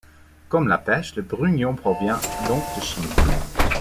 Comme la pêche, le brugnon provient donc de Chine.